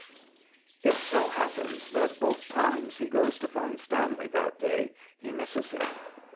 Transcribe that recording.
It so happens that both times he goes to find Stanley that day he misses him.